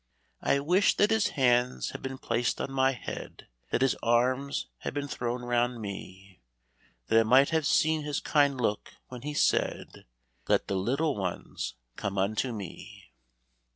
I wish that His hands had been placed on my head, That His arms had been thrown around me; That I might have seen His kind look, when He said, "Let the little ones come unto Me."